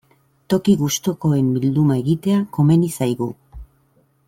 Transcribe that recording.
Toki gustukoen bilduma egitea komeni zaigu.